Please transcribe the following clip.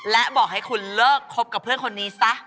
และบอกให้คุณเลิกคบกับเพื่อนคนนี้ซะ